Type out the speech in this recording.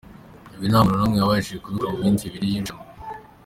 Ibi nta muntu n’umwe wabashije kubikora mu minsi ibiri y’irushanwa.